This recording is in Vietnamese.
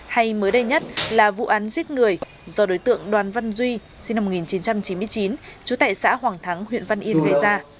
hay mới đây nhất là vụ án giết người do đối tượng đoàn văn duy sinh năm một nghìn chín trăm chín mươi chín trú tại xã hoàng thắng huyện văn yên gây ra